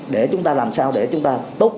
để chúng ta làm sao để chúng ta tốt